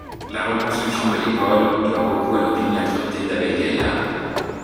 La reconstruction de l'école doit beaucoup à l’opiniâtreté d'Abel Gaillard.